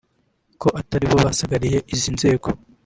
ko atari bo basagariye izi nzego